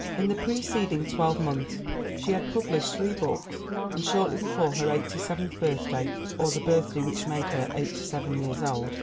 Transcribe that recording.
In the precedin'g twelye months she had published three books, and shortly before her eighty seventh birthday (or the birthday which made her eighty seven years old!)